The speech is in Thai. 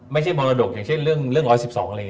มรดกอย่างเช่นเรื่อง๑๑๒อะไรอย่างนี้